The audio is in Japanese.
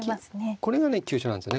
これがね急所なんですよね